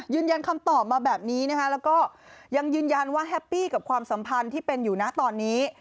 ยืนยันคำตอบมาแบบนี้นะคะแล้วก็ยังยืนยันว่าแฮปปี้กับความสัมพันธ์ที่เป็นอยู่นะตอนนี้